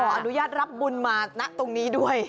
อนุญาตรับบุญมาณตรงนี้ด้วย